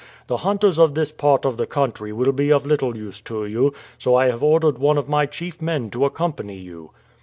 The hunters of this part of the country will be of little use to you, so I have ordered one of my chief men to accompany you.